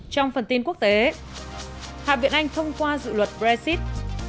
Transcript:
trong phần tin quốc tế hạ viện anh thông qua dự luật brexit